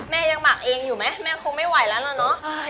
แม่ยังหมักเองไหมแม่คงไม่ไหวแล้วเหรอเนาะ